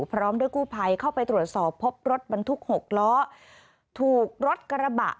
พร้อมด้วยกู้ภัยเข้าไปตรวจสอบพบรถบรรทุก๖ล้อถูกรถกระบะ